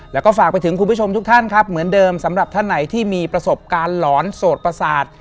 แล้วก็ฝากไปถึงคุณผู้ชมทุกท่านครับเหมือนเดิมสำหรับท่านไหนที่มีประสบการณ์หลอนโสดประสาท